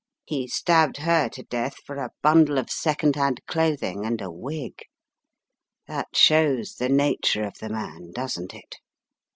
He stabbed her to death for a bundle of second hand clothing and a wig. That shows the nature of the man, doesn't it?